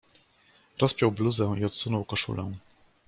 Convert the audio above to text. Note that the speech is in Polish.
"Rozpiął bluzę i odsunął koszulę."